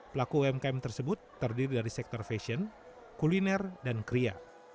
pelaku umkm tersebut terdiri dari sektor fashion kuliner dan kria